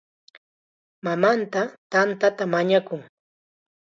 Mamanta tantata mañakun.